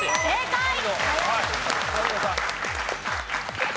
正解！